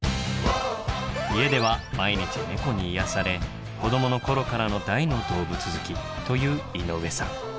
家では毎日猫に癒やされ子どもの頃からの大の動物好きという井上さん。